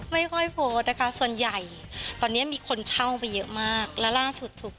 ไม่ค่อยโพสต์นะคะส่วนใหญ่ตอนนี้มีคนเช่าไปเยอะมากแล้วล่าสุดถูก